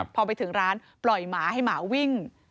พอไปถึงร้านปล่อยหมาให้หมาวิ่ง